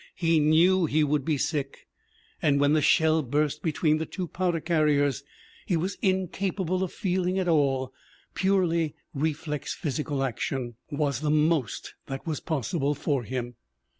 He knew he would be sick. And when the shell burst between the two powder carriers he was incapable of feeling at all; purely reflex physical action MARY JOHNSTON 151 was the most that was possible for him.